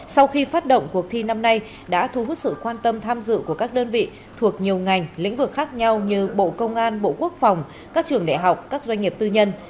sau khi phát động cuộc thi năm nay đã thu hút sự quan tâm tham dự của các đơn vị thuộc nhiều ngành lĩnh vực khác nhau như bộ công an bộ quốc phòng các trường đại học các doanh nghiệp tư nhân